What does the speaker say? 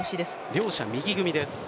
両者、右組みです。